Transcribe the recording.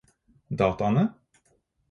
dataene